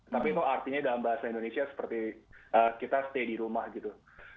tapi itu artinya dalam bahasa indonesia seperti kita stay di rumah gitu